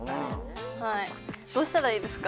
はいどうしたらいいですか？